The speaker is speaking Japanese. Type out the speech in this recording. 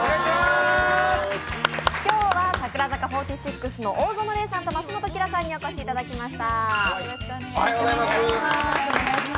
今日は櫻坂４６の大園玲さんと増本綺良さんにお越しいただきました。